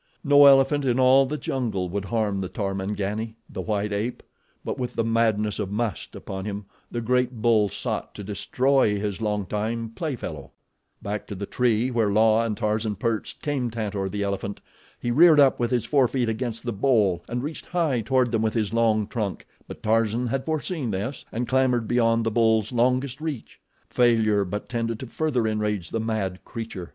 No elephant in all the jungle would harm the Tarmangani—the white ape; but with the madness of must upon him the great bull sought to destroy his long time play fellow. Back to the tree where La and Tarzan perched came Tantor, the elephant. He reared up with his forefeet against the bole and reached high toward them with his long trunk; but Tarzan had foreseen this and clambered beyond the bull's longest reach. Failure but tended to further enrage the mad creature.